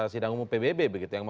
sidang umum pbb begitu